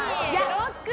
ロックだ。